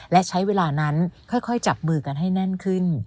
และใช้เวลานั้นค่อยจับมือกันให้แน่นขึ้น